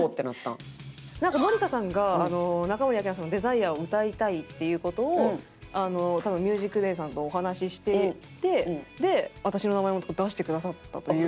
なんか紀香さんが中森明菜さんの『ＤＥＳＩＲＥ』を歌いたいっていう事を多分『ＭＵＳＩＣＤＡＹ』さんとお話ししていてで私の名前も出してくださったというか。